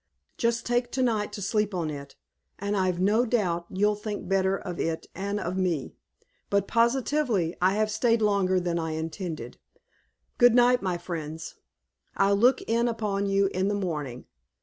Just take to night to sleep on it, and I've no doubt you'll think better of it and of me. But positively I have stayed longer than I intended. Good night, my friends. I'll look in upon you in the morning.